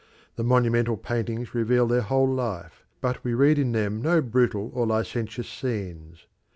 The monumental paintings reveal their whole life, but we read in them no brutal or licentious scenes.